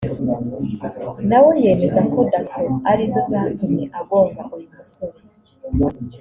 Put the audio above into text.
na we yemeza ko Dasso ari zo zatumye agonga uyu musore